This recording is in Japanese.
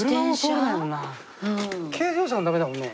軽自動車もダメだもんね。